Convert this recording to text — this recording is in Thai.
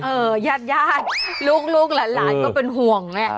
เออญาติลูกหลานก็เป็นห่วงน่ะ